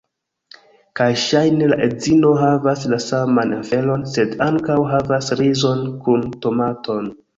Kaj ŝajne la edzino havas la saman aferon, sed ankaŭ havas rizon kun tomaton.